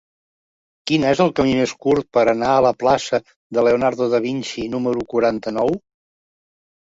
Quin és el camí més curt per anar a la plaça de Leonardo da Vinci número quaranta-nou?